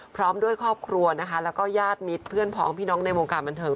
พร้อมด้วยครอบครัวและยาดมิตรเพื่อนพร้อมพี่น้องในวงการบันเทิง